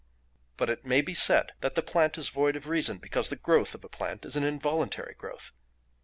"But it may be said that the plant is void of reason, because the growth of a plant is an involuntary growth.